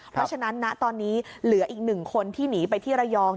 เพราะฉะนั้นณตอนนี้เหลืออีก๑คนที่หนีไปที่ระยอง